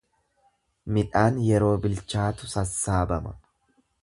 Midhaan yeroo bilchaatu sassaabama.